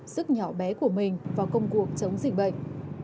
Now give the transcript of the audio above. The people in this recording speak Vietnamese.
sức nhỏ bé của mình vào công cuộc chống dịch bệnh